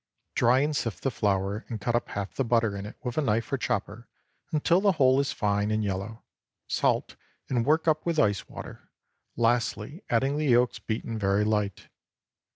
Dry and sift the flour and cut up half the butter in it with a knife or chopper until the whole is fine and yellow; salt, and work up with ice water, lastly adding the yolks beaten very light.